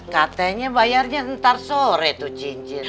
katanya bayarnya ntar sore tuh cincin